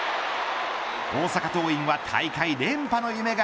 大阪桐蔭は大会連覇の夢が